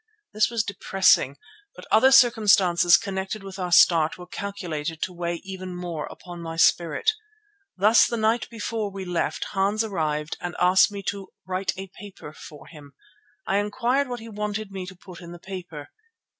This was depressing, but other circumstances connected with our start were calculated to weigh even more upon my spirit. Thus the night before we left Hans arrived and asked me to "write a paper" for him. I inquired what he wanted me to put in the paper.